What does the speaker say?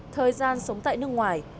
thời gian sống tại nước ngoài